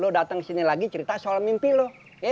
lu datang kesini lagi cerita soal mimpi lu